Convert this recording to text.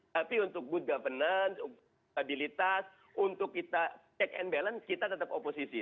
tapi untuk good governance stabilitas untuk kita check and balance kita tetap oposisi